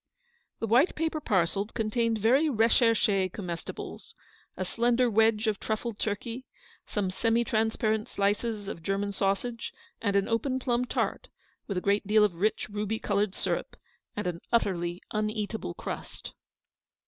The white paper parcels contained very recherche comestibles. A slender wedge of truffled turkey, some semi transparent slices of German sausage, and an open plum tart, with a great deal of rich ruby coloured syrup, and an utterly uneatable crust.